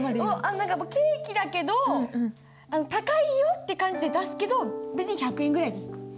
何かケーキだけど「高いよ」って感じで出すけど別に１００円ぐらいでいい。